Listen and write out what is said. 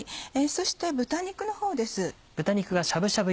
そして豚肉のほうです。